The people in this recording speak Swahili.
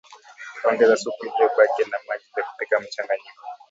Ongeza supu iliyobaki na maji ili kupika mchanganyiko